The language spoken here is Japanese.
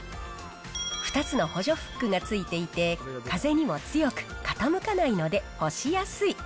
２つの補助フックがついていて、風にも強く傾かないので干しやすい。